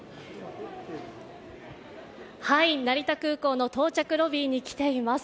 成田空港の到着ロビーに来ています。